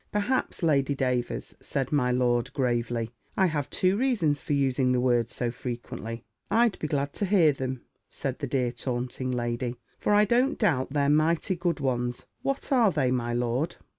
"Perhaps, Lady Davers," said my lord, gravely, "I have two reasons for using the word so frequently." "I'd be glad to hear them," said the dear taunting lady; "for I don't doubt they're mighty good ones. What are they, my lord?"